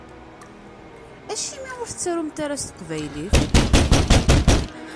Acimi ur tettarumt ara s teqbaylit?